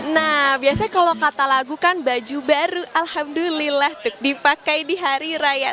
nah biasanya kalau kata lagu kan baju baru alhamdulillah tuh dipakai di hari raya